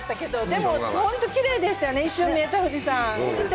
でも、本当きれいでしたよね、一瞬、見えた富士山。